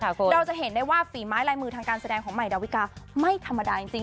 เราจะเห็นได้ว่าฝีไม้ลายมือทางการแสดงของใหม่ดาวิกาไม่ธรรมดาจริง